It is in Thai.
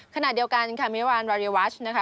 ขณะเดียวกันค่ะมิวานวาริวัชนะคะ